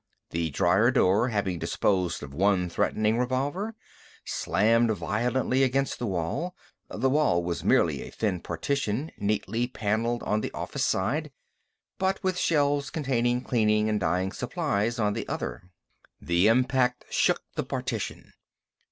The dryer door, having disposed of one threatening revolver, slammed violently against the wall. The wall was merely a thin partition, neatly paneled on the office side, but with shelves containing cleaning and dyeing supplies on the other. The impact shook the partition.